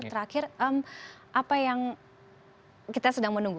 terakhir apa yang kita sedang menunggu